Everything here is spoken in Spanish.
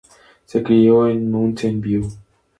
Se crio en Mountain View.